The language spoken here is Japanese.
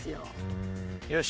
よし。